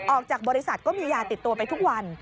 ออกจากบริษัทก็มียาติดตัวไปทุกวัน